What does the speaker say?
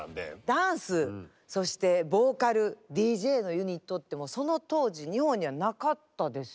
ダンスそしてボーカルＤＪのユニットってその当時日本にはなかったですよね？